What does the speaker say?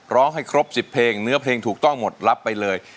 ร้องให้ครบ๑๐เพลงเนื้อเพลงถูกต้องหมดรับไปเลย